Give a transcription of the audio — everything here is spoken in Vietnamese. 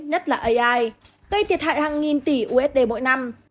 nhất là ai gây thiệt hại hàng nghìn tỷ usd mỗi năm